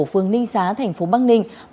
phương ninh xá thành phố bắc ninh